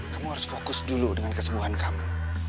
kamu harus fokus dulu dengan kesembuhan kamu